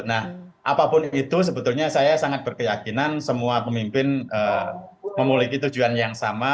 nah apapun itu sebetulnya saya sangat berkeyakinan semua pemimpin memiliki tujuan yang sama